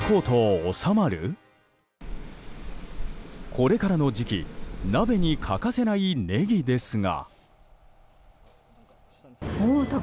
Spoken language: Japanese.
これからの時期鍋に欠かせないネギですが。